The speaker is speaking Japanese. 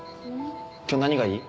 今日何がいい？